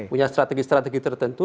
punya strategi strategi tertentu